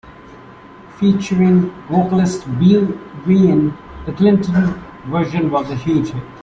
Featuring vocalist Bea Wain, the Clinton version was a huge hit.